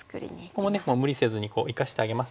ここもね無理せずに生かしてあげます。